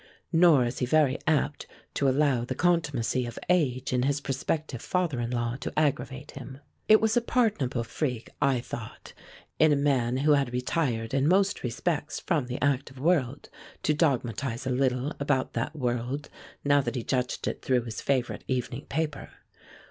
Nor is he very apt to allow the contumacy of age in his prospective father in law to aggravate him. It was a pardonable freak, I thought, in a man who had retired in most respects from the active world, to dogmatize a little about that world now that he judged it through his favorite evening paper.